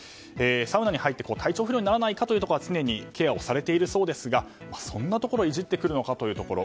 サウナに入って体調不良にならないかというところは常にケアをされているそうですがそんなところをいじってくるのかというところ。